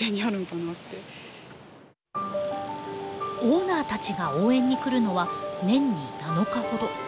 オーナーたちが応援に来るのは年に７日ほど。